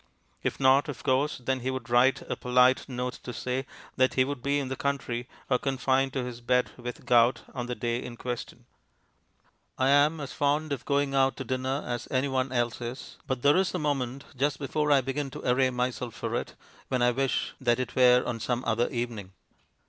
If not, of course, then he would write a polite note to say that he would be in the country, or confined to his bed with gout, on the day in question. I am as fond of going out to dinner as anyone else is, but there is a moment, just before I begin to array myself for it, when I wish that it were on some other evening.